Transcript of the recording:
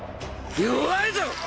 弱いぞ！